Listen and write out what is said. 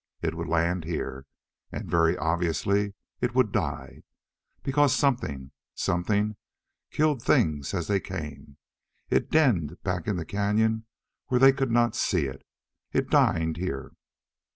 It would land here. And very obviously it would die. Because something Something killed things as they came. It denned back in the cañon where they could not see it. It dined here.